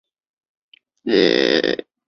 罗志祥担任教头亲自选择队员。